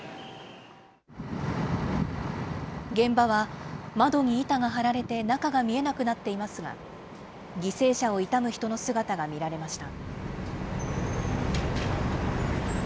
現場は窓に板が貼られて中が見えなくなっていますが、犠牲者を悼む人の姿が見られました。